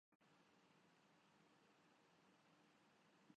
ہر رگ خوں میں پھر چراغاں ہو